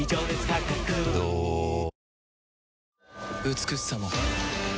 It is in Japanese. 美しさも